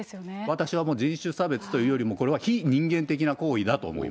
私はもう人種差別というよりも、これは非人間的な行為だと思